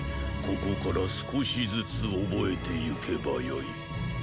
ここから少しずつ覚えてゆけばよい。